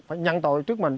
phải nhận tội trước mình